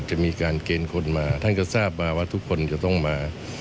จะมีการเกณฑ์คนมาท่านก็ทราบมาว่าทุกคนจะต้องมา